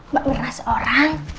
mbak merah seorang